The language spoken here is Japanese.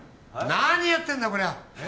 何やってんだこりゃええ？